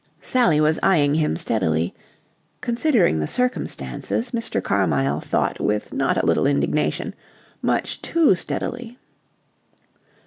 Sally was eyeing him steadily considering the circumstances, Mr. Carmyle thought with not a little indignation, much too steadily.